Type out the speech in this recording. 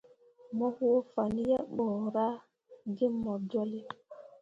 Mo woo fan yeɓ ɓo ra ge mor jolle.